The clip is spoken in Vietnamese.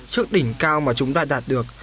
trước đỉnh cao mà chúng ta đạt được